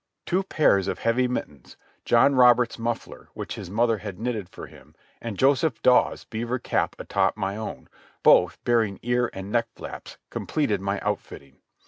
Two pairs of heavy mittens, John Robert's muffler which his mother had knitted for him, and Joseph Dawes' beaver cap atop my own, both bearing ear and neck flaps, completed my outfitting.